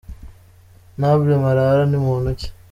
Nble Marara ni muntu ki ?